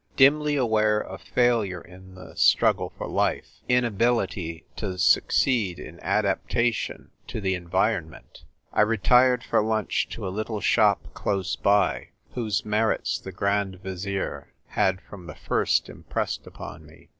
Dimly aware of failure in the Struggle for Life — inability to succeed in Adaptation to the 36 THE TVl'E WKITER GIKL. Environment — I retired for lunch to a little shop close by, whose merits the Grand Vizier had from the first impressed upon me.